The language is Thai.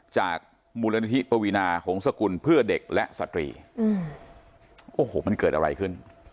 จากมูลนิธิปวีนาหงษกุลเพื่อเด็กและสตรีโอ้โหมันเกิดอะไรขึ้น